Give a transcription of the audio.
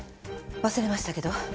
忘れましたけど。